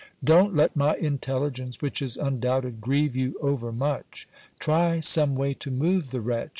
Don't let my intelligence, which is undoubted, grieve you over much. Try some way to move the wretch.